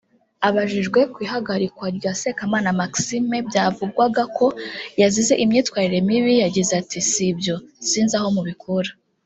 Abajijwe ku ihagarikwa rya Sekamana Maxime byavugwaga ko yazize imyitwarire mibi yagize ati “Sibyo sinzi aho mubikura